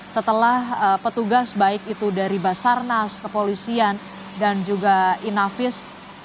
setelah petugas baik itu dari basarnas kepolisian dan juga inavis